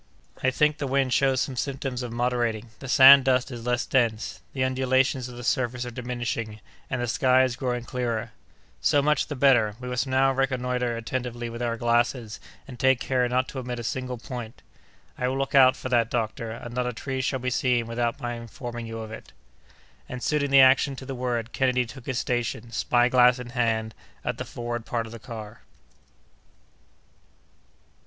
"I think the wind shows some symptoms of moderating; the sand dust is less dense; the undulations of the surface are diminishing, and the sky is growing clearer." "So much the better! We must now reconnoitre attentively with our glasses, and take care not to omit a single point." "I will look out for that, doctor, and not a tree shall be seen without my informing you of it." And, suiting the action to the word, Kennedy took his station, spy glass in hand, at the forward part of the car.